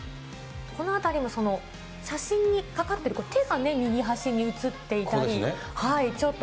このあたりも写真にかかっている手が右端に写っていたり、ちょっ